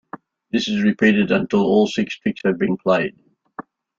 This is repeated until all six tricks have been played.